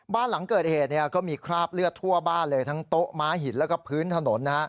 บ้านหลังเกิดเหตุก็มีคราบเลือดทั่วบ้านเลยทั้งโต๊ะม้าหินแล้วก็พื้นถนน